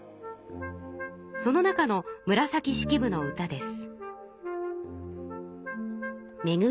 その中の紫式部の歌です。